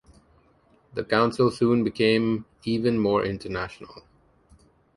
The Council soon became even more international.